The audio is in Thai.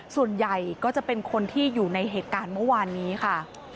ส่วนใหญ่ก็จะเป็นคนที่อยู่ในเหตุการณ์เมื่อวานนี้ค่ะ